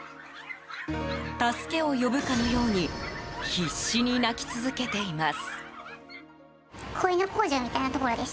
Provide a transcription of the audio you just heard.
助けを呼ぶかのように必死に鳴き続けています。